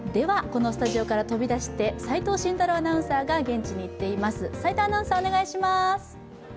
このスタジオから飛び出して齋藤慎太郎アナウンサーが現地に行っています。